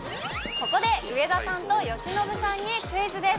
ここで上田さんと由伸さんにクイズです。